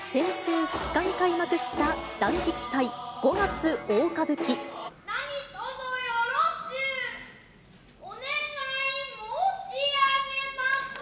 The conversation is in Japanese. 先週２日に開幕した、何とぞよろしゅうお願い申し上げまする。